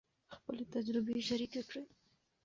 خپلې تجربې شریکې کړئ.